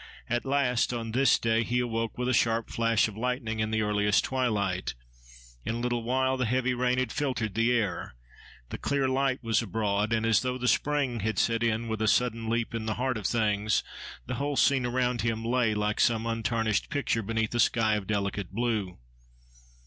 At last, on this day he awoke with a sharp flash of lightning in the earliest twilight: in a little while the heavy rain had filtered the air: the clear light was abroad; and, as though the spring had set in with a sudden leap in the heart of things, the whole scene around him lay like some untarnished picture beneath a sky of delicate blue.